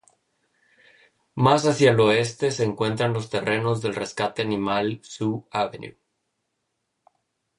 Más hacia el oeste se encuentran los terrenos del Rescate Animal Zoo Ave.